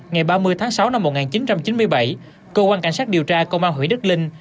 ngày ba mươi tháng sáu năm một nghìn chín trăm chín mươi bảy cơ quan cảnh sát điều tra công an huyện đức linh